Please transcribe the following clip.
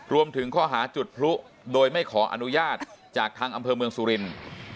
รวมถึงข้อหาจุดพลุโดยไม่ขออนุญาตจากทางอำเภอเมืองสุรินทร์